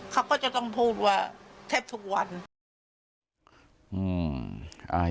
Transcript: เขาก็จะต้องพูดว่าแทบทุกวัน